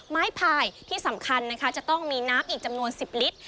พายที่สำคัญนะคะจะต้องมีน้ำอีกจำนวน๑๐ลิตร